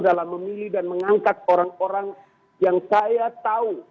dalam memilih dan mengangkat orang orang yang saya tahu